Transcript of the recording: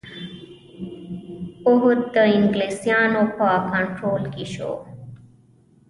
اَوَد د انګلیسیانو په کنټرول کې شو.